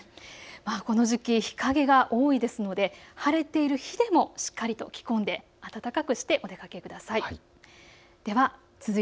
この時期、日陰が多いですので晴れている日でもしっかりと着込んで暖かくしてお出かけください。